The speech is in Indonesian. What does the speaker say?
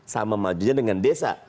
sama majunya dengan desa